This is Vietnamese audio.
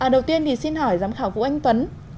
đầu tiên thì xin hỏi giám khảo vũ anh tuấn